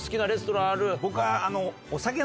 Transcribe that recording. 僕は。